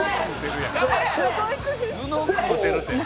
「布食うてるやん。